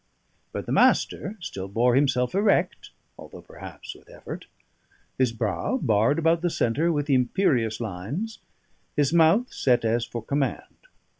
But the Master still bore himself erect, although perhaps with effort; his brow barred about the centre with imperious lines, his mouth set as for command.